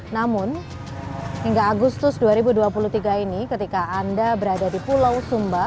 namun hingga agustus dua ribu dua puluh tiga ini ketika anda berada di pulau sumba